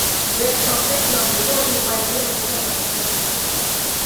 L'estafette n'avait pas le loisir de s'attarder.